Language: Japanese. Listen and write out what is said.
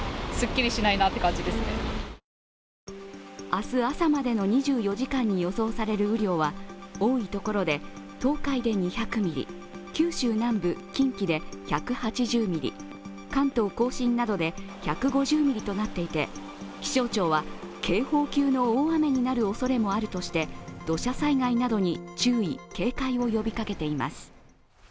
明日朝までの２４時間に予想される雨量は多いところで東海で２００ミリ、九州南部・近畿で１８０ミリ、関東甲信などで１５０ミリとなっていて気象庁は警報級の大雨になるおそれもあるとして土砂災害などに注意・警戒を呼びかけています。